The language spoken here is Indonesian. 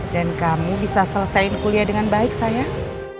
dan kamu bisa selesain kuliah dengan baik sayang